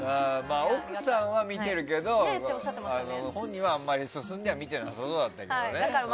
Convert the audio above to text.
奥さんは見てるけど本人はあんまり進んでは見てなさそうだったけどね。